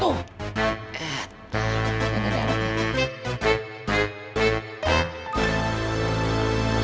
ya udah deh